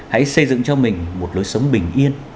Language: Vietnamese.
hãy xây dựng cho mình một lối sống bình yên